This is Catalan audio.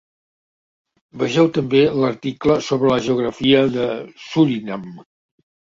Vegeu també l'article sobre la geografia de Surinam.